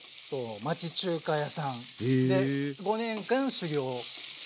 町中華屋さんで５年間修業してたよ。